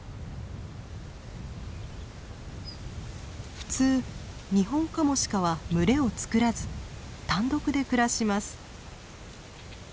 普通ニホンカモシカは群れをつくらず単独で暮らします。